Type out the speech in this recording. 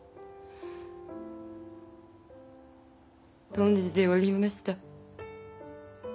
存じておりました。